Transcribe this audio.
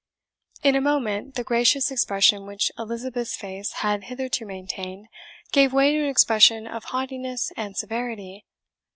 In a moment the gracious expression which Elizabeth's face had hitherto maintained, gave way to an expression of haughtiness and severity.